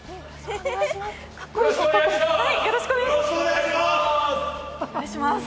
よろしくお願いします！